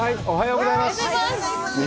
おはようございます。